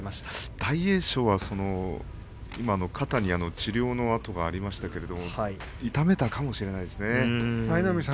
大栄翔が肩に治療の痕がありましたが痛めたかもしれませんね。